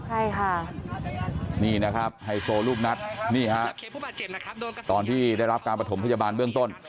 ใช่ค่ะนี่นะครับไฮโซลูกนัดนี่ฮะตอนที่ได้รับการประถมพยาบาลเบื้องต้น